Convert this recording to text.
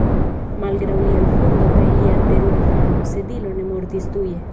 Malgraŭ lia vundo kaj lia terura falo, Sedilo ne mortis tuje.